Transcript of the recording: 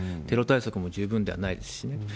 テロ対策も十分ではないですしね。